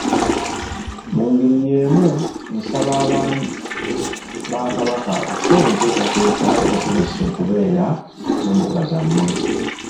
Mu ngeri y'emu nsaba Abaami ba Kabaka okukola enteekateeka ebasobozesa okubeera mu mbuga zammwe.